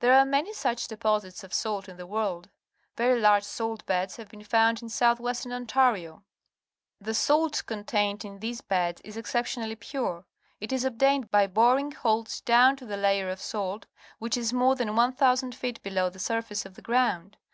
There are many such deposits of salt in the world. Very large salt beds have been foimd in south western Ontario. The salt contained in these beds is exceptionally pure. It is obtained by boring holes down to the layer of salt, which is more than 1,000 feet below the surface of the ground.